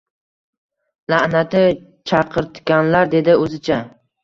La’nati chaqirtikanlar dedi o’zicha.